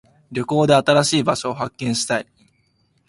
旅行で新しい場所を発見したい。